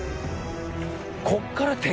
こっから敵？